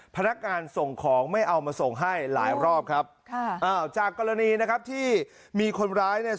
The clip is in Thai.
พนักงานส่งของไม่เอามาส่งให้หลายรอบครับค่ะอ้าวจากกรณีนะครับที่มีคนร้ายเนี่ย